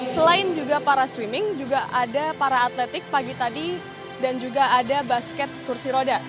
selain juga para swimming juga ada para atletik pagi tadi dan juga ada basket kursi roda